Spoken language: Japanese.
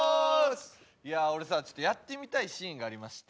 いや俺さちょっとやってみたいシーンがありまして。